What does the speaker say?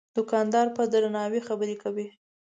دوکاندار په درناوي خبرې کوي.